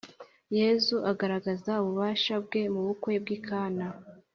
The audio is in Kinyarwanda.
yezu agaragaza ububasha bwe mu bukwe bw’i kana.